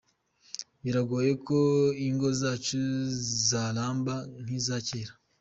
Biragoye ko ingo zacu zaramba nk’iza kera.